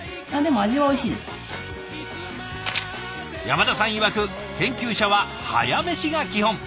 山田さんいわく研究者は早メシが基本。